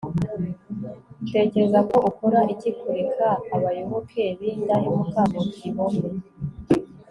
utekereza ko ukora iki kureka abayoboke b'indahemuka mu gihome